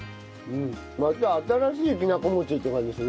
また新しいきなこ餅って感じする。